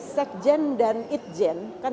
sekjen dan itjen kan